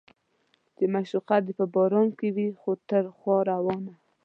چې معشوقه دې په باران کې وي تر خوا روانه